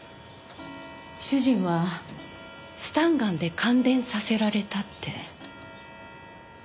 主人はスタンガンで感電させられたって。